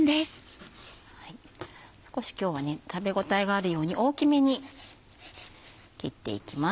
少し今日は食べ応えがあるように大きめに切っていきます。